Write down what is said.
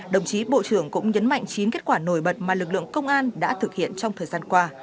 đồng chí bộ trưởng cũng nhấn mạnh chín kết quả nổi bật mà lực lượng công an đã thực hiện trong thời gian qua